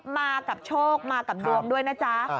มากับโชคมากับดวงด้วยนะจ๊ะ